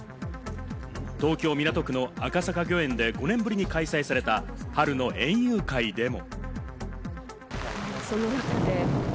東京・港区の赤坂御苑で５年ぶりに開催された春の園遊会でも。